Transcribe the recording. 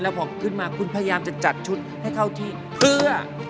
พอขึ้นมาคุณพยายามจะจัดชุดให้เข้าที่เพื่อ